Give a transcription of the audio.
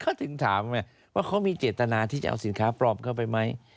เขาถึงถามไงว่าเขามีเจตนาที่จะเอาสินค้าปลอมเข้าไปไหม